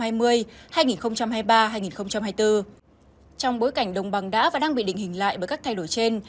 trong bối cảnh đồng bằng đã và đang bị định hình lại bởi các thay đổi trên